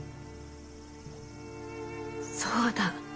そうだ。